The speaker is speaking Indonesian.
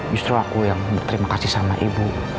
justru aku yang berterima kasih sama ibu